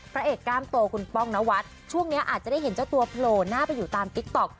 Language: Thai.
พระเอกกล้ามโตคุณป้องนวัดช่วงนี้อาจจะได้เห็นเจ้าตัวโผล่หน้าไปอยู่ตามติ๊กต๊อก